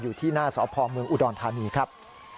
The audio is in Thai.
อยู่ที่หน้าสพเมืองอุดรธานีครับ